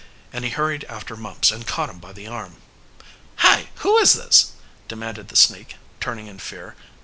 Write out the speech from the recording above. and he hurried after Mumps and caught him by the arm. "Hi! who is this?" demanded the sneak, turning in fear.